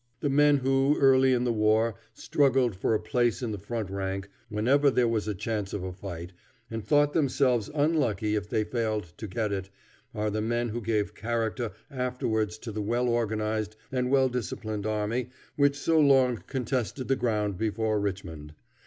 The men who early in the war struggled for a place in the front rank, whenever there was chance of a fight, and thought themselves unlucky if they failed to get it, are the men who gave character afterwards to the well organized and well disciplined army which so long contested the ground before Richmond.